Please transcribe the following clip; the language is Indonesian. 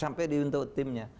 sampai diuntuk timnya